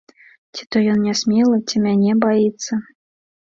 Ці то ён нясмелы, ці мяне баіцца.